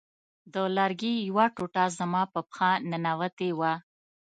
د لرګي یوه ټوټه زما په پښه ننوتې وه